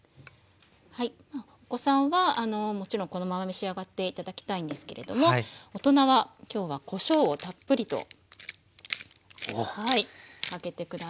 お子さんはもちろんこのまま召し上がって頂きたいんですけれども大人は今日はこしょうをたっぷりとかけて下さい。